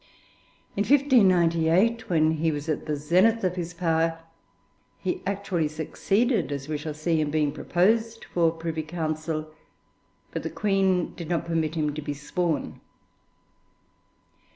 In 1598, when he was at the zenith of his power, he actually succeeded, as we shall see, in being proposed for Privy Council, but the Queen did not permit him to be sworn.